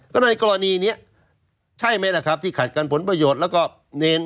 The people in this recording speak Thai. ก็ในกรณีนี้ใช่ไหมล่ะครับที่ขัดกันผลประโยชน์แล้วก็เนร